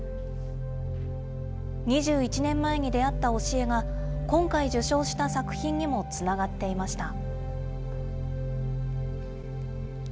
２１年前に出会った教えが今回受賞した作品にもつながっていました。